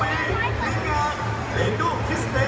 วันนี้ก็เป็นปีนี้